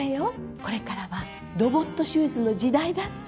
これからはロボット手術の時代だって。